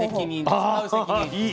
ああいい。